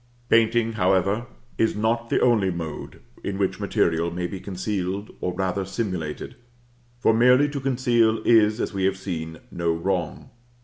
Painting, however, is not the only mode in which material may be concealed, or rather simulated; for merely to conceal is, as we have seen, no wrong.